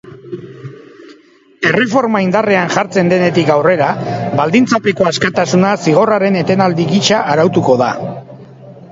Erreforma indarrean jartzen denetik aurrera, baldintzapeko askatasuna zigorraren etenaldi gisa arautuko da.